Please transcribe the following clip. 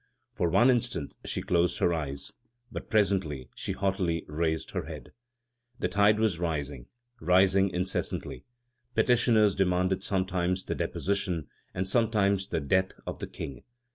For one instant she closed her eyes. But presently she haughtily raised her head. The tide was rising, rising incessantly. Petitioners demanded sometimes the deposition, and sometimes the death, of the King.